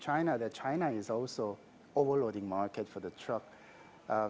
china juga adalah pasar yang mengisi kelebihan untuk kendaraan